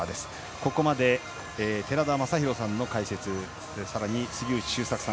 ここまで寺田雅裕さんの解説さらに杉内周作さん